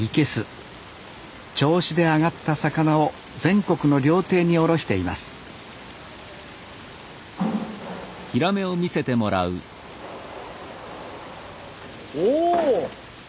銚子で揚がった魚を全国の料亭に卸していますおお！